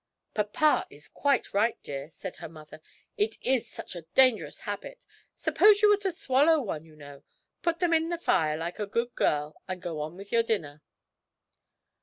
'Papa is quite right, dear,' said her mother, 'it is such a dangerous habit suppose you were to swallow one, you know! Put them in the fire, like a good girl, and go on with your dinner.'